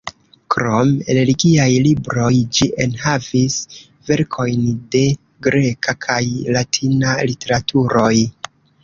Krom religiaj libroj, ĝi enhavis verkojn de greka kaj latina literaturoj.